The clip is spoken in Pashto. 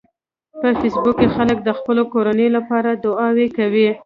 په فېسبوک کې خلک د خپلو کورنیو لپاره دعاوې کوي